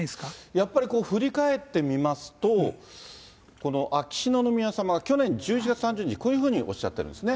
やっぱり、振り返ってみますと、この秋篠宮さまが去年１１月３０日、こういうふうにおっしゃってるんですね。